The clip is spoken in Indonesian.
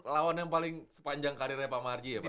lawan yang paling sepanjang karirnya pak marji ya pak